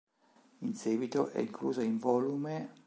In seguito è inclusa in "Vol.